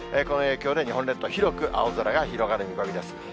この影響で、日本列島、広く青空が広がる見込みです。